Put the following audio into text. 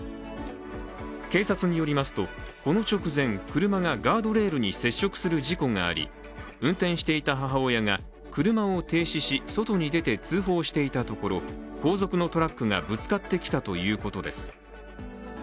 警察によりますと、この直前、車がガードレールに接触する事故があり運転していた母親が車を停止し外に出て通報していたところ後続のトラックがぶつかってきたということです。